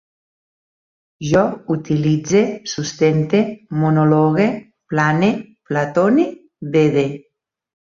Jo utilitze, sustente, monologue, plane, platone, vede